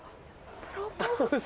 プロポーズ。